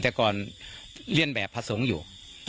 แต่ก่อนเลื่อนแบบผสงอยู่